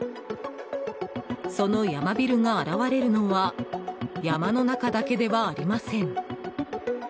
そのヤマビルが現れるのは山の中だけではありません。